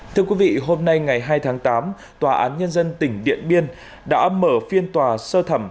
thưa quý vị hôm nay ngày hai tháng tám tòa án nhân dân tỉnh điện biên đã mở phiên tòa sơ thẩm